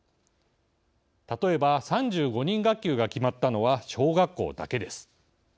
例えば３５人学級が決まったのは小学校だけです。